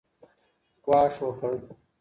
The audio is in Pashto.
ګواښ وکړ